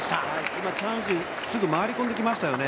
今、チャン・ウジン、すぐに回り込んできましたよね。